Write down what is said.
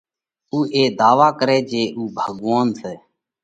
اُوئي اي ڌاوا ڪرئي جي اُو ڀڳوونَ سئہ۔